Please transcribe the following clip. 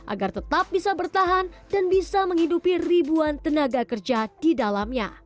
agar tetap bisa bertahan dan bisa menghidupi ribuan tenaga kerja di dalamnya